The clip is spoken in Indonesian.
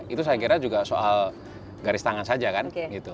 itu saya kira juga soal garis tangan saja kan gitu